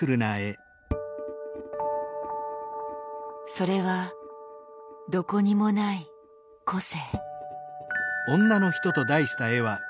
それはどこにもない個性。